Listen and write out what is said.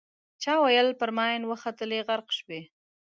چا ویل پر ماین وختلې غرق شوې.